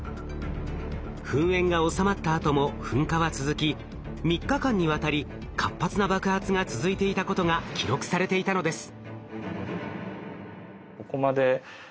噴煙が収まったあとも噴火は続き３日間にわたり活発な爆発が続いていたことが記録されていたのです。